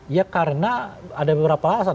ya karena ada beberapa alasan